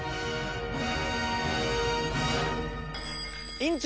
院長！